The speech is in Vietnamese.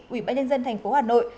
ubnd thành phố hà nội